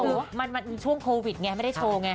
โอ้โหมันมีช่วงโควิดไงไม่ได้โชว์ไง